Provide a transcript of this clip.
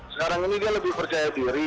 sekarang ini dia lebih percaya diri